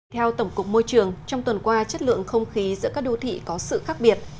theo tổng cục môi trường trong tuần qua chất lượng không khí giữa các đô thị có sự khác biệt